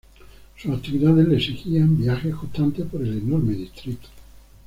Sus actividades le exigían viajes constantes por el enorme distrito.